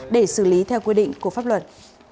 để xử lý theo quy định của pháp luật